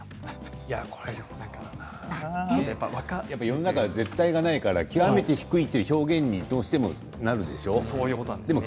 世の中には絶対がないから極めて低いということになってしまうんでしょうね。